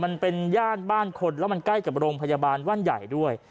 มันเป็นย่านบ้านคนแล้วมันใกล้กับโรงพยาบาลว่านใหญ่ด้วย